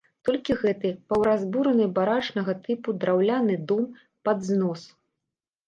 Толькі гэты паўразбураны барачнага тыпу драўляны дом пад знос.